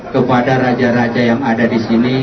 kepada raja raja yang ada disini